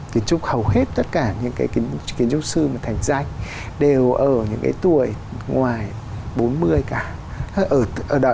kiến trúc hầu hết tất cả những cái kiến trúc sư mà thành danh đều ở những cái tuổi ngoài bốn mươi cả